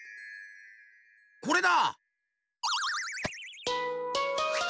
これだ！